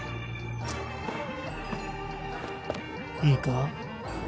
いいか？